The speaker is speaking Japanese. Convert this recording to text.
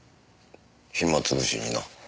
暇つぶしにな。